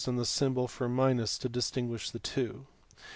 imposed on the symbol for minus to distinguish the two.